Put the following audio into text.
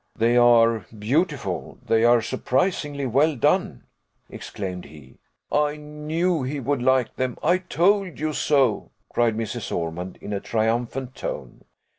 "They are beautiful; they are surprisingly well done!" exclaimed he. "I knew he would like them! I told you so!" cried Mrs. Ormond, in a triumphant tone.